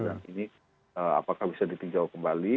dan ini apakah bisa ditinggalkan kembali